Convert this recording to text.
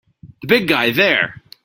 The big guy there!